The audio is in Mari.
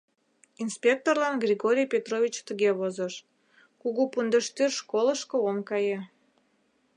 Инспекторлан Григорий Петрович тыге возыш: «Кугупундыштӱр школышко ом кае.